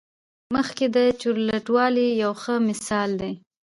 مځکه د چورلټوالي یو ښه مثال دی.